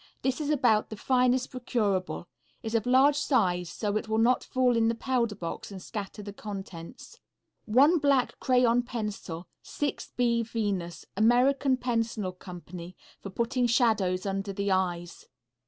This is about the finest procurable; is of large size, so it will not fall in the powder box and scatter the contents. One Black Crayon Pencil. 6B Venus, American Pencil Co. For putting shadows under the eyes.